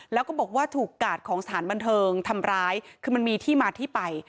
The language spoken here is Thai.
แล้วก็บอกว่าถูกกาดของสถานบันเทิงทำร้ายคือมันมีที่มาที่ไป